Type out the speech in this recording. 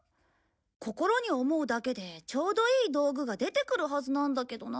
心に思うだけでちょうどいい道具が出てくるはずなんだけどなあ。